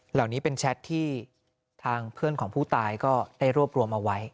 เหล่านี้เป็นแชทที่ทางเพื่อนของผู้ตายก็ได้รวบรวมเอาไว้